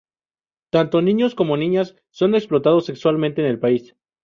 Tanto niños como niñas son explotados sexualmente en el país.